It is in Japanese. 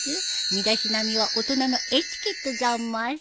身だしなみは大人のエチケットざます。